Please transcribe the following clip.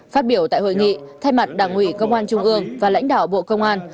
phát biểu tại hội nghị thay mặt đảng ủy công an trung ương và lãnh đạo bộ công an